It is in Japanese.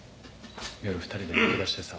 夜２人で抜け出してさ。